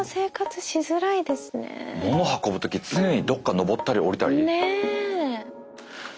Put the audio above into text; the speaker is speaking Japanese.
物運ぶ時常にどっか上ったり下りたり。